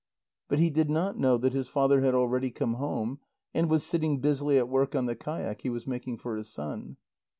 But he did not know that his father had already come home, and was sitting busily at work on the kayak he was making for his son.